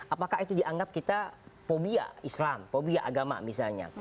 apakah itu dianggap kita phobia islam phobia agama misalnya